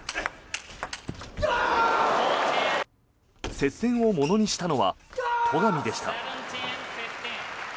接戦をものにしたのは戸上でした。